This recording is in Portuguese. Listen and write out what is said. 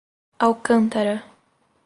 Alcântara